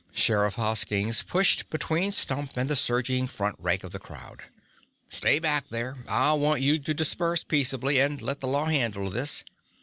Sheriff Hoskins pushed between Stump and the surging front rank of the crowd. "Stay back there! I want you to disperse, peaceably, and let the law handle this."